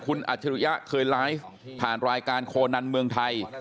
คุณอัจฉริยะเคยไลฟ์ผ่านรายการโคนันเมืองไทย